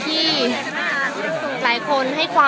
มีแต่โดนล้าลาน